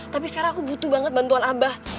tapi sekarang aku butuh banget bantuan abah